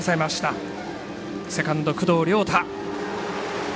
セカンド、工藤遼大。